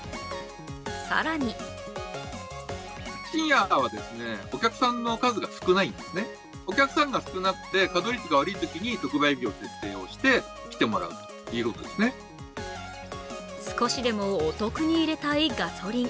更に少しでもお得に入れたいガソリン。